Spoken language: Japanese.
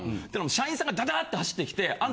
社員さんがダダーッて走ってきて。